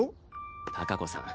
貴子さん